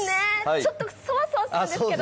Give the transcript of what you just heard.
ちょっとそわそわするんですけど。